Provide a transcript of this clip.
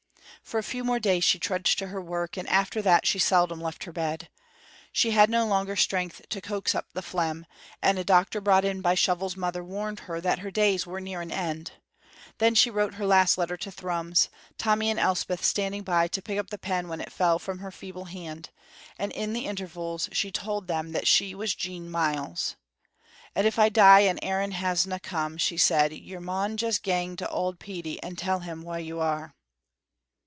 For a few more days she trudged to her work, and after that she seldom left her bed. She had no longer strength to coax up the phlegm, and a doctor brought in by Shovel's mother warned her that her days were near an end. Then she wrote her last letter to Thrums, Tommy and Elspeth standing by to pick up the pen when it fell from her feeble hand, and in the intervals she told them that she was Jean Myles. "And if I die and Aaron hasna come," she said, "you maun just gang to auld Petey and tell him wha you are."